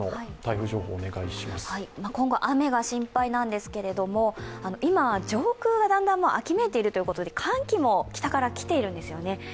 今後、雨が心配なんですけれども今、上空がだんだん秋めいているということで寒気も北から来ているんですよね。